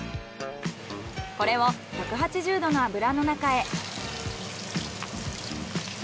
これを１８０℃の油の中へ。